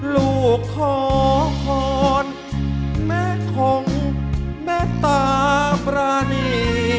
ลูกขอขอญแม่ของแม่ตาประณี